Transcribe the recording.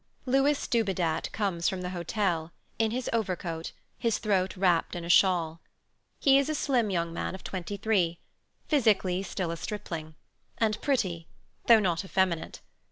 Louis Dubedat comes from the hotel, in his overcoat, his throat wrapped in a shawl. He is a slim young man of 23, physically still a stripling, and pretty, though not effeminate.